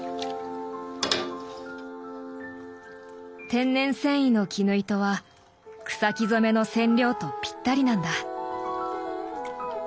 天然繊維の絹糸は草木染めの染料とぴったりなんだ。